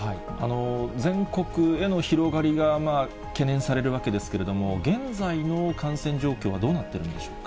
全国への広がりが懸念されるわけですけれども、現在の感染状況はどうなってるんでしょうか。